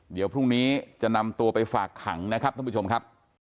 เดี๋ยวพรุ่งนี้จะนำตัวไปฝากขังนะครับท่านผู้ชมครับ